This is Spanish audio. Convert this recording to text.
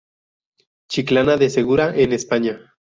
Chiclana de Segura en España.